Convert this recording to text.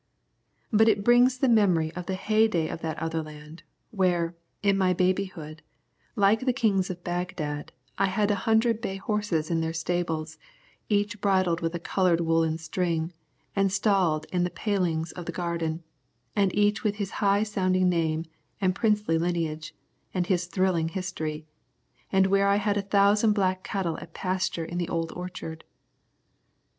But it brings the memory of the heyday of that other land, where, in my babyhood, like the kings of Bagdad, I had a hundred bay horses in their stables, each bridled with a coloured woollen string, and stalled in the palings of the garden, and each with his high sounding name, and princely lineage, and his thrilling history, and where I had a thousand black cattle at pasture in the old orchard.